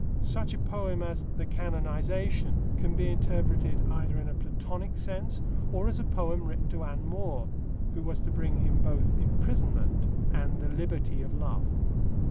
Such a poem as The Canonisation can be interpreted either in a Platonic sense or as a poem written to Anne More, who was to bring him both imprisonment and the liberty of love.